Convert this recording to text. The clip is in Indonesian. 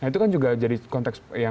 itu kan juga jadi konteks yang